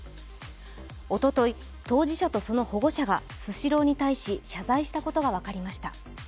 おととい、当事者とその保護者がスシローに対し、謝罪したことが分かりました。